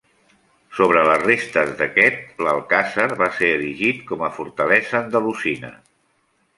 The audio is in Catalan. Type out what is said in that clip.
Sobre les restes d'aquest, l'alcàsser va ser erigit com a fortalesa andalusina.